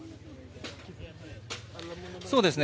そうですね。